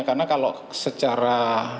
karena kalau secara